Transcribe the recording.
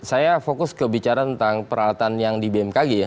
saya fokus kebicaraan tentang peralatan yang di bmkg ya